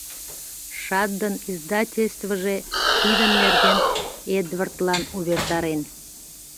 Шаддын издательствыже тидын нерген Эдвардлан увертарен.